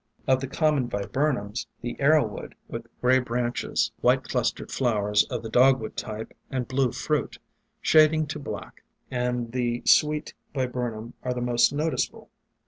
Of the common Viburnums, the Arrow Wood, with gray branches, white clustered flowers of the Dogwood type, and blue fruit, shading to black, and the Sweet Viburnum are the most no ticeable.